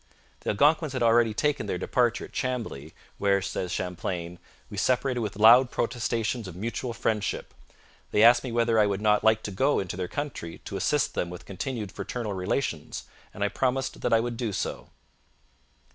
The Algonquins had already taken their departure at Chambly, where, says Champlain, 'we separated with loud protestations of mutual friendship. They asked me whether I would not like to go into their country to assist them with continued fraternal relations; and I promised that I would do so.'